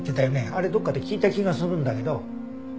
あれどこかで聞いた気がするんだけど。